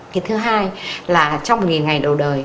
cái thứ hai là trong một ngày đầu đời